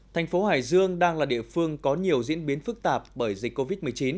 thành phố hải dương đang là địa phương có nhiều diễn biến phức tạp bởi dịch covid một mươi chín